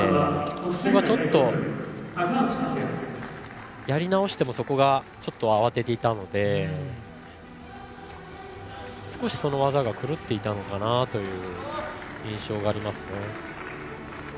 そこがちょっと、やり直してもそこが慌てていたので、その技が狂っていたのかなという印象です。